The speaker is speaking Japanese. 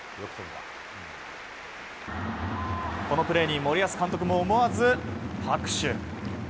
このプレーに森保監督も思わず拍手。